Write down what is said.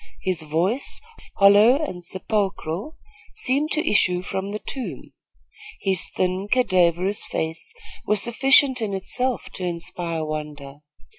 His voice, hollow and sepulchral, seemed to issue from the tomb. His thin, cadaverous face was sufficient in itself to inspire wonder.